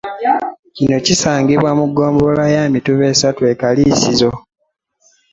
Kino kisangibwa mu ggombolola ya Mituba esatu e Kaliisizo.